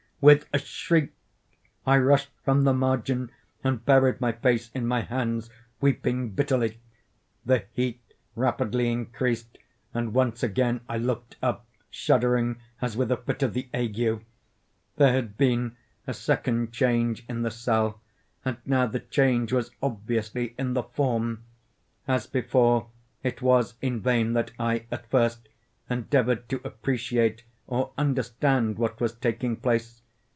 With a shriek, I rushed from the margin, and buried my face in my hands—weeping bitterly. The heat rapidly increased, and once again I looked up, shuddering as with a fit of the ague. There had been a second change in the cell—and now the change was obviously in the form. As before, it was in vain that I, at first, endeavoured to appreciate or understand what was taking place.